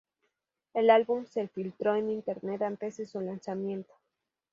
El álbum se filtró en Internet antes de su lanzamiento.